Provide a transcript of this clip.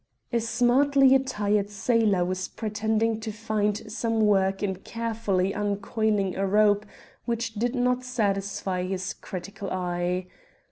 A smartly attired sailor was pretending to find some work in carefully uncoiling a rope which did not satisfy his critical eye.